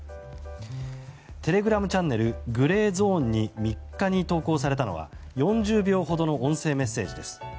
テレグラムチャンネルグレーゾーンに３日に投稿されたのは４０秒ほどの音声メッセージです。